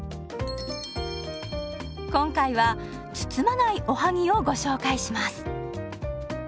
今回は包まないおはぎをご紹介します。